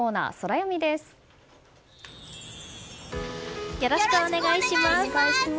よろしくお願いします！